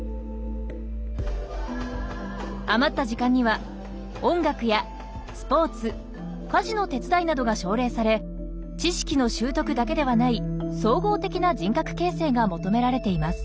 余った時間には音楽やスポーツ家事の手伝いなどが奨励され知識の習得だけではない総合的な人格形成が求められています。